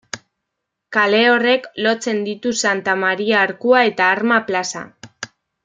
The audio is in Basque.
Kale horrek lotzen ditu Santa Maria Arkua eta Arma Plaza.